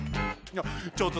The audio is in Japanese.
ちょっと！